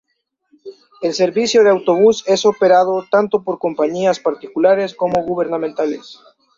El servicio de autobús es operado tanto por compañías particulares como gubernamentales.